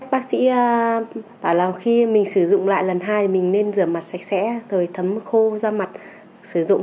bác sĩ bảo là khi mình sử dụng lại lần hai thì mình nên rửa mặt sạch sẽ rồi thấm khô ra mặt sử dụng